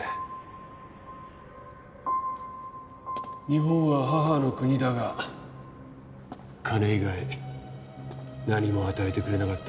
日本は母の国だが金以外何も与えてくれなかった。